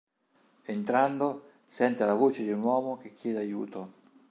Entrando, sente la voce di un uomo che chiede aiuto.